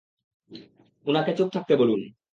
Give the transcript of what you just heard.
উনাকে চুপ থাকতে বলুন।